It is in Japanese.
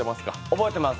覚えています。